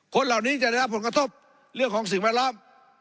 คนเหล่านี้จะได้รับผลกระทบเรื่องของสิ่งแวดล้อม